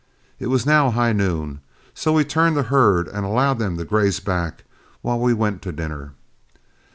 It was now high noon, so we turned the herd and allowed them to graze back while we went to dinner.